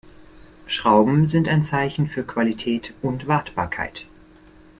Schrauben sind ein Zeichen für Qualität und Wartbarkeit.